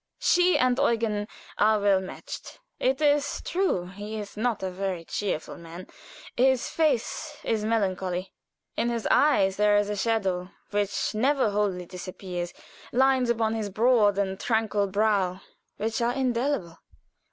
She and Eugen are well mated. It is true he is not a very cheerful man his face is melancholy. In his eyes is a shadow which never wholly disappears lines upon his broad and tranquil brow which are indelible.